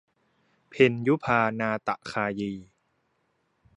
เพ็ญยุภา นาฏคายี